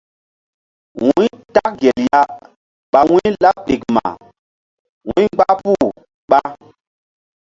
Wu̧y tak gel ya ɓa wu̧y̧-laɓ ɗikma wu̧y mgba puh ɓa.